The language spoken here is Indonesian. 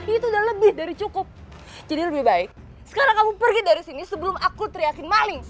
itu udah lebih dari cukup jadi lebih baik sekarang kamu pergi dari sini sebelum aku teriakin maling